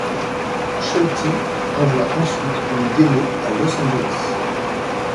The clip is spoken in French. Shawty envoie ensuite une démo à Los Angeles.